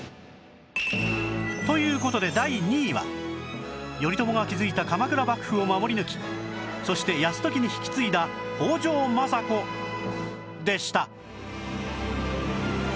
という事で第２位は頼朝が築いた鎌倉幕府を守り抜きそして泰時に引き継いだ北条政子でした